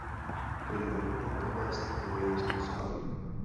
To je nutno provést dvojím způsobem.